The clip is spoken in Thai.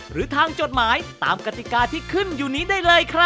หรือทางจดหมายตามกฎิกาอยู่ในนี้ได้เลย